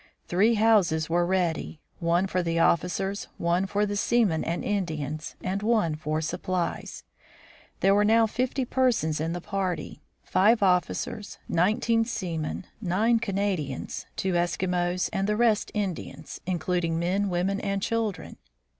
Three houses were ready, one for the officers, one for the seamen and Indians, and one for supplies. There were now fifty persons in the party : five officers, nineteen seamen, nine Canadians, two Eskimos, and the rest Indians, including men, women, and children.